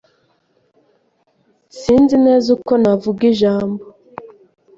Sinzi neza uko navuga ijambo.